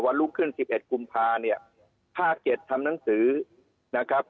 วันลุงขึ้นสิบเอ็ดกุมภาคมเนี่ยภาคเจ็ดทำนังสือนะครับ